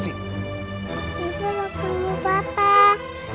sifah mau ketemu papa